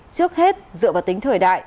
trước hết dựa vào tính thời đại